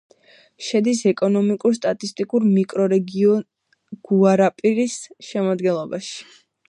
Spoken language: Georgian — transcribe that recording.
შედის ეკონომიკურ-სტატისტიკურ მიკრორეგიონ გუარაპარის შემადგენლობაში.